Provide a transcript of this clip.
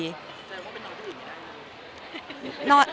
คิดว่าไปนอนดื่มไม่ได้หรอ